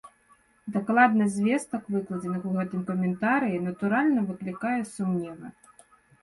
Дакладнасць звестак, выкладзеных у гэтым каментарыі, натуральна, выклікае сумневы.